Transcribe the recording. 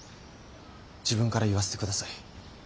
自分から言わせて下さい。